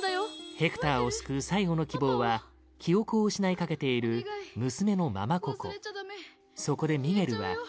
ヘクターを救う最後の希望は記憶を失いかけている娘のママ・ココそこでミゲルは